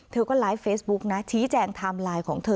เธอก็ไลฟ์เฟซบุ๊กนะชี้แจงไทม์ไลน์ของเธอ